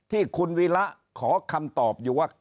ที่คุณวีระขอคำตอบอยู่ว่า